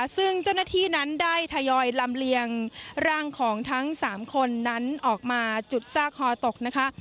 ซึ่งเจ้าหน้าที่นั้นได้ทยอยลำเลียงร่างของทั้ง๓คนนั้นออกมาจุดซากคอตกนะคะ